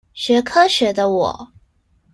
學科學的我